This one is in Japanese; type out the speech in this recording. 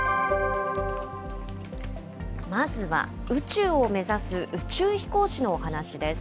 まずは宇宙を目指す宇宙飛行士のお話です。